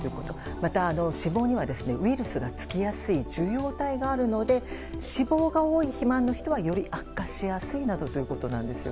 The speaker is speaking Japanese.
また、脂肪にはウイルスが付きやすい受容体があるので脂肪が多い肥満の人はより悪化しやすいなどということです。